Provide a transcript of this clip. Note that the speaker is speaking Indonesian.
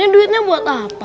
loh ini duitnya buat apa